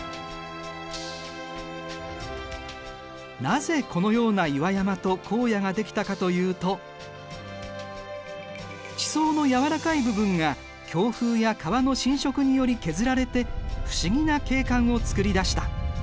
なぜこのような岩山と荒野ができたかというと地層のやわらかい部分が強風や川の浸食により削られて不思議な景観を作り出した。